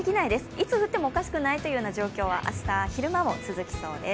いつ降ってもおかしくないというような状況は明日昼間も続きそうです。